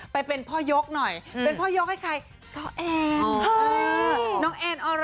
ไปเป็นพ่อยกหน่อยเป็นพ่อยกให้ใครซ้อแอน